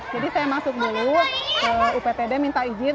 jadi saya masuk dulu ke uptd minta izin